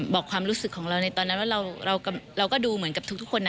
บอกความรู้สึกของเราในตอนนั้นว่าเราก็ดูเหมือนกับทุกคนนะ